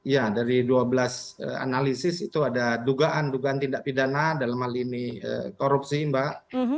ya dari dua belas analisis itu ada dugaan dugaan tindak pidana dalam hal ini korupsi mbak